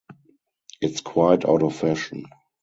It's quite out of fashion.